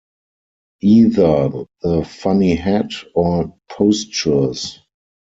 Either the funny hat, or postures.